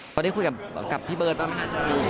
ตอนนี้คุยกับพี่เบิร์ตป่ะ